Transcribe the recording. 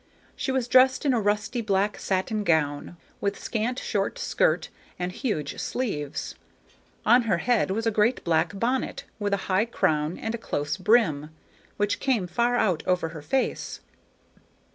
She was dressed in a rusty black satin gown, with scant, short skirt and huge sleeves; on her head was a great black bonnet with a high crown and a close brim, which came far out over her face.